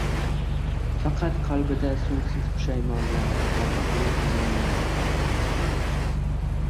Faqat qalbida so`ngsiz pushaymonlar, og`riqli armonlar qoldi